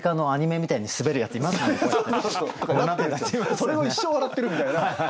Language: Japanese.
それを一生笑ってるみたいな。